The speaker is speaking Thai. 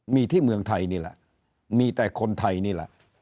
มีที่เมืองไทยนี่แหละมีแต่คนไทยนี่แหละ